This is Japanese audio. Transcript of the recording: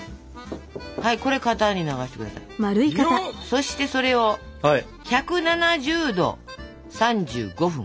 そしてそれを１７０℃３５分。